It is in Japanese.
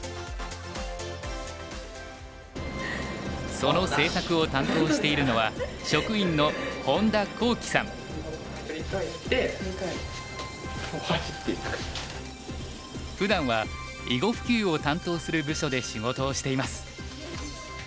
その制作を担当しているのはふだんは囲碁普及を担当する部署で仕事をしています。